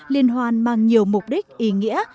liên hoàn mang nhiều mục đích ý nghĩa